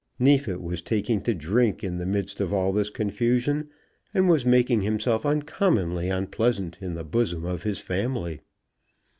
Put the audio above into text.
Neefit was taking to drink in the midst of all this confusion, and was making himself uncommonly unpleasant in the bosom of his family.